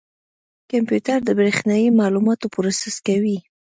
کمپیوټر د برېښنایي معلوماتو پروسس کوي.